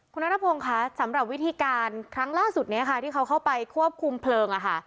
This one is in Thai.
คุณนัทพงศ์ค่ะสำหรับวิธีการครั้งล่าสุดนี้ค่ะที่เขาเข้าไปควบคุมเพลิง